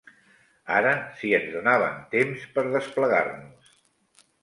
Ara, si ens donaven temps per desplegar-nos